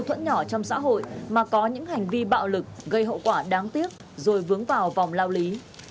hỗn nhỏ trong xã hội mà có những hành vi bạo lực gây hậu quả đáng tiếc rồi vướng vào vòng lao lý